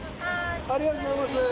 ありがとうございます。